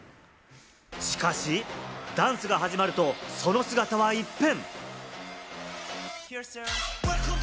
しかしダンスが始まるとその姿は一変。